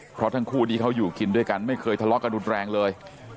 เพราะทั้งคู่นี้เขาอยู่กินด้วยกันไม่เคยทะเลาะกันรุนแรงเลย